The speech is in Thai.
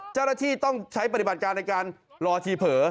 เจ้าหน้าที่ต้องใช้ปฏิบัติการในการรอทีเผลอ